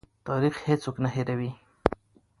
تاریخ هېڅوک نه هېروي.